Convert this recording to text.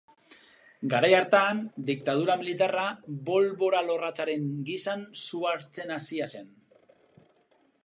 Garai hartan diktadura militarra bolbora-lorratzaren gisan su hartzen hasia zen.